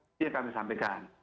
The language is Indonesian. ini yang kami sampaikan